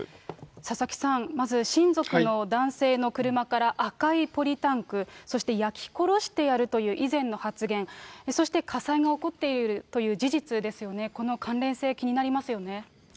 佐々木さん、まず親族の男性の車から赤いポリタンク、そして焼き殺してやるという以前の発言、そして火災が起こっているという事実ですよね、この関連性、気になりますよね。